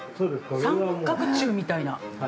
三角柱みたいな。